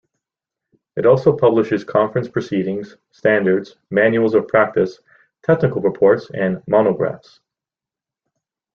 It also publishes conference proceedings, standards, manuals of practice, technical reports, and monographs.